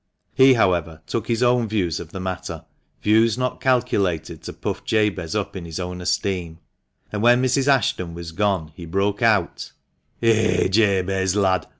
He, however, took his own views of the matter, views not calculated to puff Jabez up in his own esteem, and when Mrs. Ashton was gone he broke out —" Eh, Jabez, lad